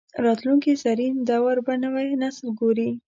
راتلونکي زرین دور به نوی نسل ګوري